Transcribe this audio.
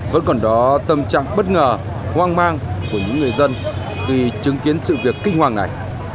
vẫn còn đó tâm trạng bất ngờ hoang mang của những người dân vì chứng kiến sự việc kinh hoàng này